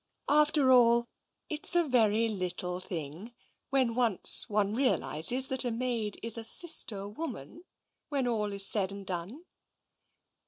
After all, it's a very little thing, when once one realises that a maid is a sister woman, when all's said and done.